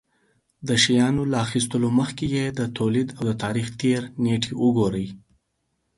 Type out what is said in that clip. د شيانو له اخيستلو مخکې يې د توليد او تاريختېر نېټې وگورئ.